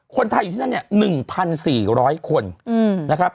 คนไทยอยู่ที่นั่นเนี่ย๑๔๐๐คนนะครับ